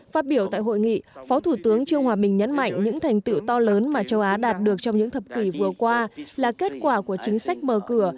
phát biểu tại hội nghị phó thủ tướng trương hòa bình nhấn mạnh những thành tựu to lớn mà châu á đạt được trong những thập kỷ vừa qua là kết quả của chính sách mở cửa